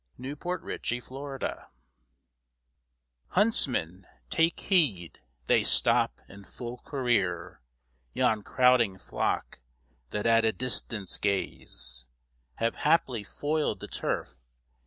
RALPH CECIL. THE CHASE Huntsman, take heed; they stop in full career. Yon crowding flock, that at a distance gaze, Have haply foil'd the turf.